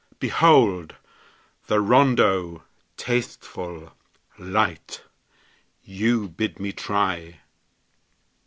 Behold! the rondeau, tasteful, light, You bid me try!